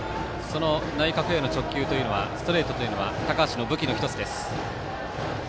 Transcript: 内角への直球ストレートというのは高橋の武器の１つです。